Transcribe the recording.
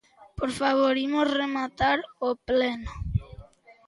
¡Por favor, imos rematar o pleno!